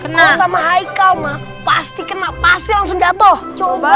kena sama hai kau mah pasti kena pasti langsung jatuh coba